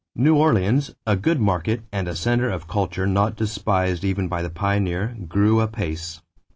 New Orleans, a good market and a center of culture not despised even by the pioneer, grew apace.